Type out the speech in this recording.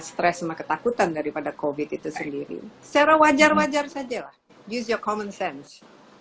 stres sama ketakutan daripada covid itu sendiri secara wajar wajar sajalah use your common sense